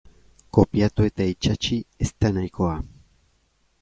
Kopiatu eta itsatsi ez da nahikoa.